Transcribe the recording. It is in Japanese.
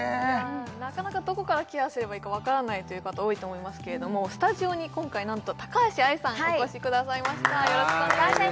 なかなかどこからケアすればいいか分からないという方多いと思いますけれどもスタジオに今回なんと高橋愛さんお越しくださいましたよろしくお願いします